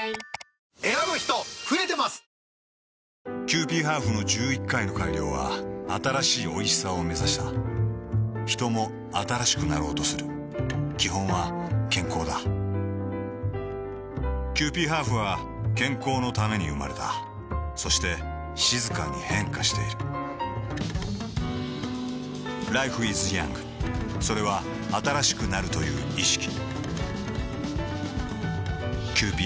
キユーピーハーフの１１回の改良は新しいおいしさをめざしたヒトも新しくなろうとする基本は健康だキユーピーハーフは健康のために生まれたそして静かに変化しているＬｉｆｅｉｓｙｏｕｎｇ．それは新しくなるという意識